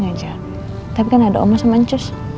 anak pintar baik